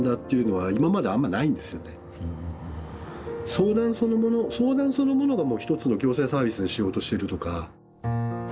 相談そのもの相談そのものがもう一つの行政サービスの仕事してるとか。